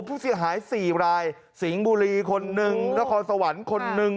ผู้เสียหาย๔รายสิงห์บุรีคนหนึ่งนครสวรรค์คนหนึ่ง